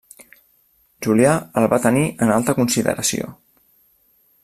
Julià el va tenir en alta consideració.